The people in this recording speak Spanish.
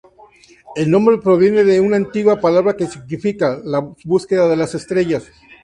El nombre proviene de una antigua palabra que significa "la búsqueda de las estrellas".